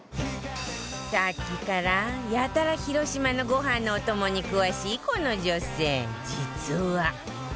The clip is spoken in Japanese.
さっきからやたら広島のご飯のお供に詳しいこの女性実は